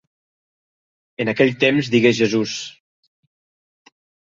En aquell temps digué Jesús...